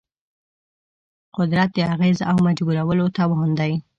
قدرت د اغېز او مجبورولو توان دی.